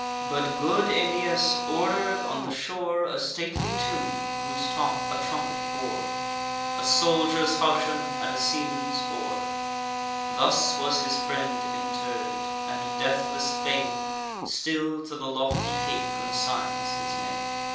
But good Aeneas order'd on the shore A stately tomb, whose top a trumpet bore, A soldier's falchion, and a seaman's oar. Thus was his friend interr'd; and deathless fame Still to the lofty cape consigns his name.